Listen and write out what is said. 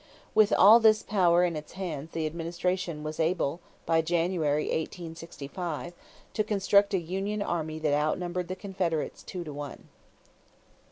With all this power in its hands the administration was able by January, 1865, to construct a union army that outnumbered the Confederates two to one.